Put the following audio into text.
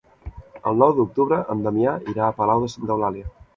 El nou d'octubre en Damià irà a Palau de Santa Eulàlia.